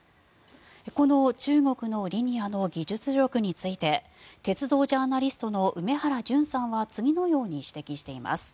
この中国のリニアの技術力について鉄道ジャーナリストの梅原淳さんは次のように指摘しています。